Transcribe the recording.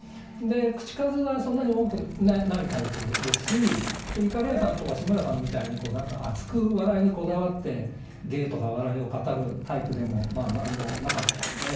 口数がそんなに多くないタイプですしいかりやさんや志村さんみたいに熱く笑いにこだわって芸とか笑いを語るタイプでもなかったので。